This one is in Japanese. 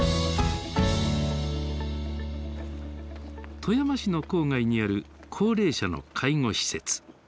富山市の郊外にある高齢者の介護施設。